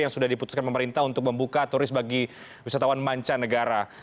yang sudah diputuskan pemerintah untuk membuka turis bagi wisatawan mancanegara